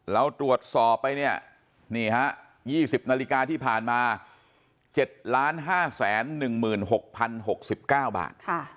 เราตรวจสอบไปเนี่ยนี่ฮะ๒๐นาฬิกาที่ผ่านมา๗๕๑๖๐๖๙บาท